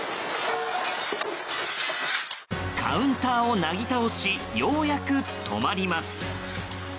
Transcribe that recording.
カウンターをなぎ倒しようやく止まります。